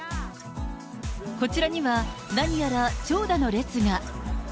こちらには、何やら長蛇の列が。